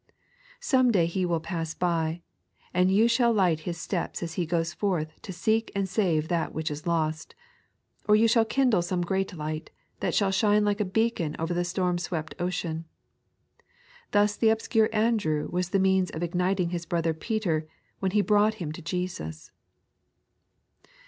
Some day He will pass by, and you shall light His steps as He goes forth to seek and save that which is lost; or you shall kindle some great light, that shall shine like a beacon over the storm swept ocean. Thus the obscure Andrew was the means of igniting his brother Peter, when he brought him to Jesus.